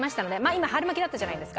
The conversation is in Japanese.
今春巻きだったじゃないですか。